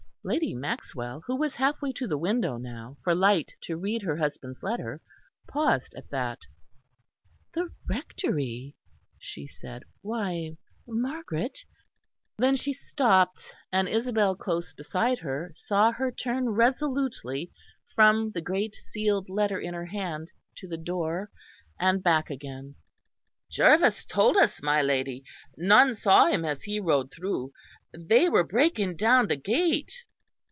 Lady Maxwell, who was half way to the window now, for light to read her husband's letter, paused at that. "The Rectory?" she said. "Why Margaret " then she stopped, and Isabel close beside her, saw her turn resolutely from the great sealed letter in her hand to the door, and back again. "Jervis told us, my lady; none saw him as he rode through they were breaking down the gate."